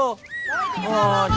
oh itu yang apa pak rete